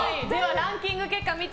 ランキング結果です。